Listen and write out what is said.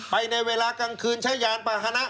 ไปในเวลากลางคืนชายหยานป่าฮณะ